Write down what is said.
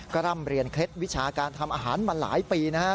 ก็ร่ำเรียนเคล็ดวิชาการทำอาหารมาหลายปีนะฮะ